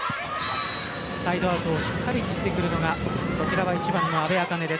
サイドアウトをしっかり切ってくるのがこちらは１番の阿部明音です。